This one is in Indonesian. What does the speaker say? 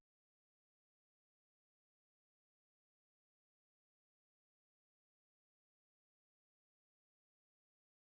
di antaranya yang terjaring lima di antaranya masih di bawah umur